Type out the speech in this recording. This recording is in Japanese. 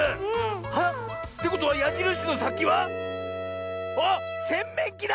あっってことはやじるしのさきはあっせんめんきだ！